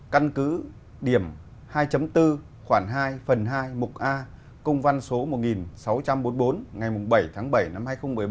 căn cứ điểm hai bốn khoảng hai phần hai mục a công văn số một nghìn sáu trăm bốn mươi bốn ngày bảy tháng bảy năm hai nghìn một mươi bảy